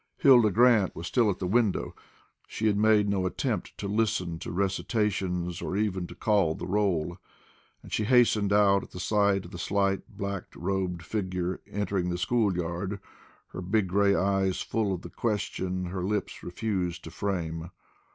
Hilda Grant was still at the window. She had made no attempt to listen to recitations, or even to call the roll; and she hastened out, at sight of the slight black robed figure entering the school yard, her big grey eyes full of the question her lips refused to frame.